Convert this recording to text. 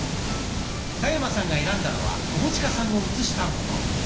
田山さんが選んだのは友近さんを写したもの。